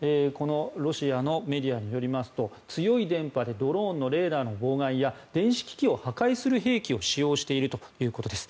ロシアのメディアによりますと強い電波でドローンのレーダーの妨害や電子機器を破壊する兵器を使用しているということです。